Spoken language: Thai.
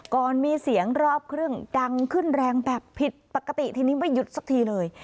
ก่อนมีเสียงรอบเครื่องดังขึ้นแรงแบบผิดปกติทีนี้ไม่หยุดสักทีเลย